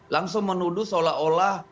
langsung menuduh seolah olah